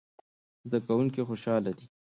زده کوونکي خوشاله دي.